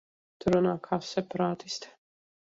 Tu runā kā separātiste.